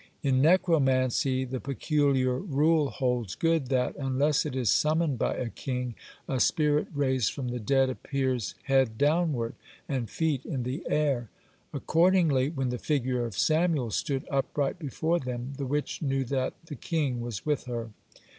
In necromancy the peculiar rule holds good that, unless it is summoned by a king, a spirit raised from the dead appears head downward and feet in the air. (75) Accordingly, when the figure of Samuel stood upright before them, the witch knew that the king was with her.